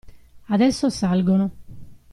Adesso salgono.